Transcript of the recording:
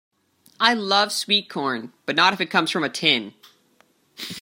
I love sweetcorn, but not if it comes from a tin.